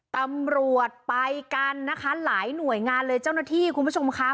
ตำรวจไปกันนะคะหลายหน่วยงานเลยเจ้าหน้าที่คุณผู้ชมค่ะ